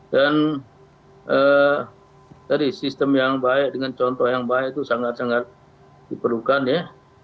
dan tadi sistem yang baik dengan contoh yang baik itu sangat sangat diperlukan ya